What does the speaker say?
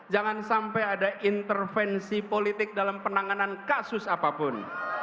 jangan sampai ada intervensi politik dalam penanganan kasus apapun